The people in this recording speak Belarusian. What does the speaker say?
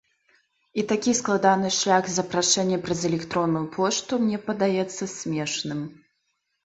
І такі складаны шлях запрашэння праз электронную пошту мне падаецца смешным.